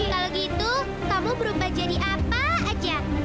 kalau gitu kamu berubah jadi apa aja